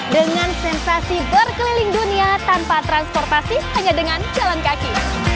dengan sensasi berkeliling dunia tanpa transportasi hanya dengan jalan kaki